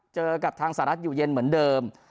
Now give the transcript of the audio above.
เจอกับทางสหรัฐอยู่เย็นเหมือนเดิม